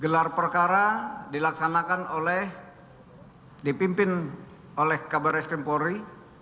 gelar perkara dilaksanakan oleh dipimpin oleh kabar eskrim polri